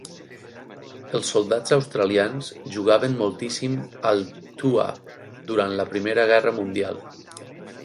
Els soldats australians jugaven moltíssim al "two-up" durant la Primera Guerra Mundial.